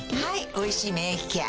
「おいしい免疫ケア」